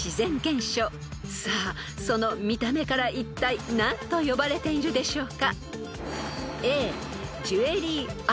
［さあその見た目からいったい何と呼ばれているでしょうか？］